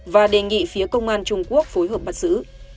và đề nghị phía công an trung quốc phối hợp bắt xử